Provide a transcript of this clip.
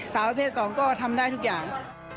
สาวประเภท๒ก็ทำได้ทุกอย่าง